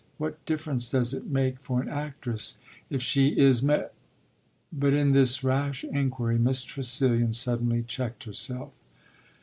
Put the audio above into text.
What difference does it make for an actress if she is mar ?" But in this rash inquiry Miss Tressilian suddenly checked herself.